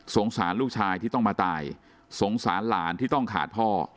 สารลูกชายที่ต้องมาตายสงสารหลานที่ต้องขาดพ่อ